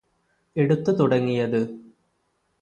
എടുത്ത് തുടങ്ങിയത്